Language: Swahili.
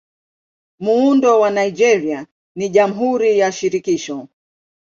Muundo wa Nigeria ni Jamhuri ya Shirikisho.